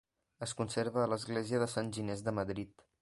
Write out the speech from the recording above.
Es conserva a l'Església de Sant Ginés de Madrid.